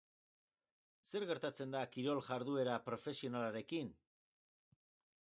Zer gertatzen da kirol jarduera profesionalarekin?